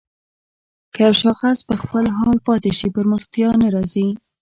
که يو شاخص په خپل حال پاتې شي پرمختيا نه راځي.